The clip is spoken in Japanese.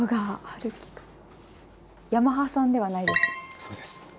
そうです。